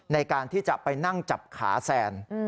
ในการที่จะไปนั่งจับขาแซน